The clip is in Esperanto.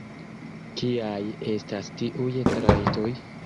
Kiaj estas tiuj trajtoj?